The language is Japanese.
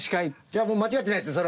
じゃあ間違ってないですね